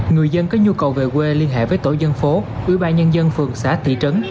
người dân có nhu cầu về quê liên hệ với tổ dân phố ủy ba nhân dân phường xã tỷ trấn